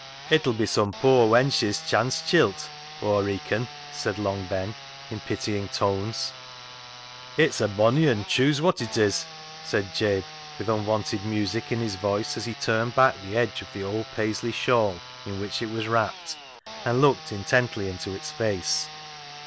" It'll be some poor wench's chance chilt. Aw reacon," said Long Ben, in pitying tones. " It's a bonny un, chuse wot it is," said Jabe, with unwonted music in his voice as he turned back the edge of the old Paisley shawl in which it was wrapped, and looked intently into its face.